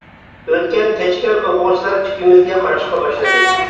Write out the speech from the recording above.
ئۆتكەن كەچكەن ئوقۇغۇچىلار ئىككىمىزگە قاراشقا باشلىدى.